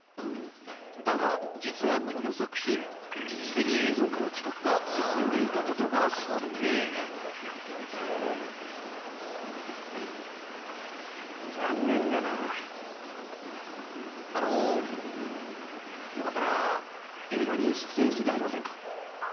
だが実はこの作品すでに映像化の企画が進んでいたことが判明そうですか残念だなあのよかったら映画に出演していただけませんか？